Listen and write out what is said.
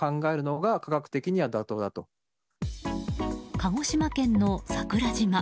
鹿児島県の桜島。